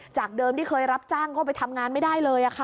จากเดิมที่เคยรับจ้างก็ไปทำงานไม่ได้เลยค่ะ